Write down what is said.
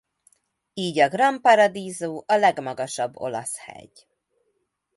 Így a Gran Paradiso a legmagasabb olasz hegy.